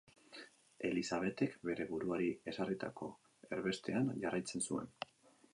Elisabetek bere buruari ezarritako erbestean jarraitzen zuen.